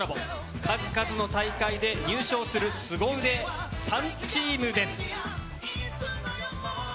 数々の大会で優勝する凄腕３チームです。